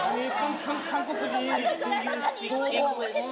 韓国人。